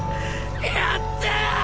やった！